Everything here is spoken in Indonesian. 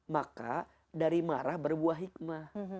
maka dari marah berbuah hikmah